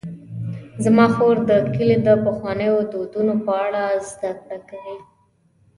زما خور د کلي د پخوانیو دودونو په اړه زدهکړه کوي.